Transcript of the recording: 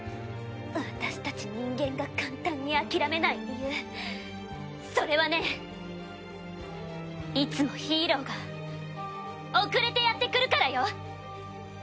私たち人間が簡単に諦めない理由それはねいつもヒーローが遅れてやって来るからよ！